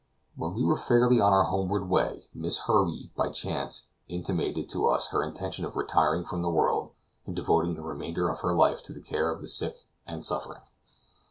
When we were fairly on our homeward way, Miss Herbey by chance intimated to us her intention of retiring from the world and devoting the remainder of her life to the care of the sick and suffering.